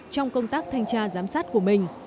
trong công tác thanh tra giám sát của mình